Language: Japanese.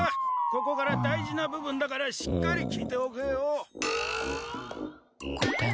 ここから大事な部分だからしっかり聞いておけよ！